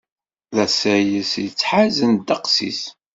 D asayes yettḥazen ddeqs-is.